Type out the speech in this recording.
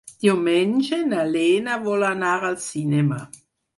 Diumenge na Lena vol anar al cinema.